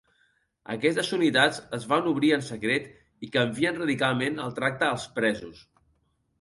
Aquestes unitats es van obrir en secret i canvien radicalment el tracte als presos.